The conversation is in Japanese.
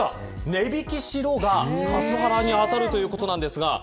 値引きしろがカスハラに当たるということです。